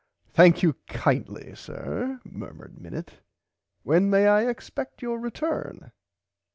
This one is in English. Thankyou kindly sir murmured Minnit when may I expect your return.